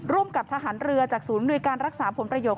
กับทหารเรือจากศูนย์หน่วยการรักษาผลประโยชน